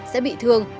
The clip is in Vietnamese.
sẽ bị thương